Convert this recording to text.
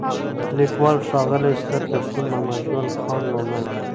لیکوال: ښاغلی ستر پښتون محمدګل خان مومند